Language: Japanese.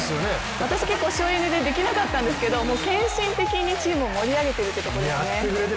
私結構省エネでできなかったんですけれども、献身的にチームを盛り上げているというところですね。